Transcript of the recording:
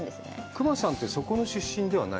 隈さんってそこの出身ではない？